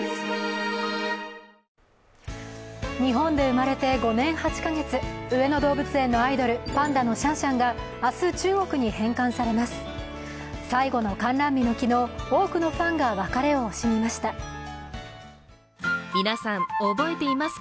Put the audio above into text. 日本で生まれて５年８か月、上野動物園のアイドル、パンダのシャンシャンが明日、中国に返還されます。